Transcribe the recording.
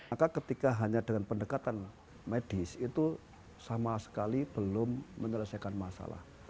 maka ketika hanya dengan pendekatan medis itu sama sekali belum menyelesaikan masalah